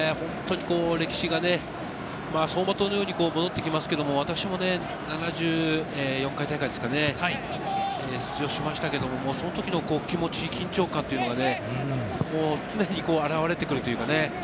歴史がね、走馬灯のように戻ってきますけど、私も７４回大会ですかね、出場しましたけど、その時の気持ち、緊張感というのがね、常に現れて来るというかね。